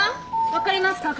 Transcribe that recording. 分かりますか？